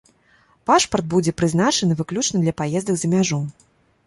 Пашпарт будзе прызначаны выключна для паездак за мяжу.